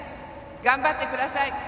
頑張ってください！